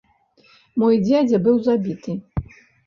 Мой дзядзя быў забіты.